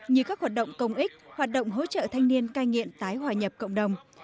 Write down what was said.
như các hoạt động công ích hoạt động hỗ trợ thanh niên cai nghiện tái hòa nhập cộng đồng